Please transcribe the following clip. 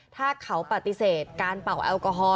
ถ้าเขาปฏิเสธการเป่าแอลกอฮอล